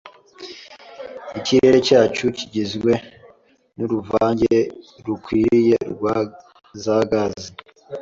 ikirere cyacu kigizwe n’uruvange rukwiriye rwa za gazi